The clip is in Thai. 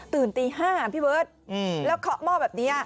ตี๕พี่เบิร์ตแล้วเคาะหม้อแบบนี้